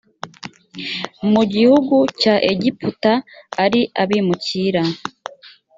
mu gihugu cya egiputa ari abimukira